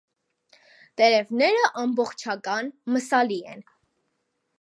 Տերևները ամբողջական մսալի են։